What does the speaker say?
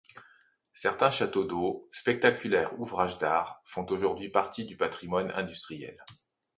Certains châteaux d'eau, spectaculaires ouvrages d'art, font aujourd'hui partie du patrimoine industriel.